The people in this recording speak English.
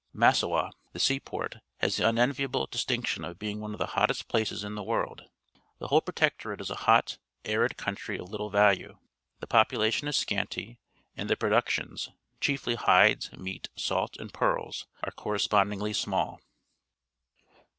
Massawa, the seaport, has the unenviable distinction of being one of the hottest places in the world. The whole pro tectorate is a hot, arid country of Uttle value. The population is scanty, and the produc tions — chiefly hides, meat, salt, and pearls — are correspondingly small.